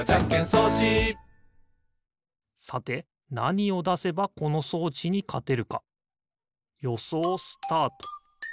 さてなにをだせばこの装置にかてるかよそうスタート！